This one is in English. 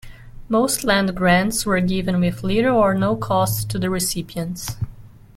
Most land grants were given with little or no cost to the recipients.